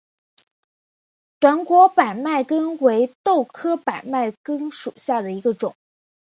短果百脉根为豆科百脉根属下的一个种。